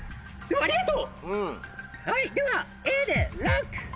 ありがとう！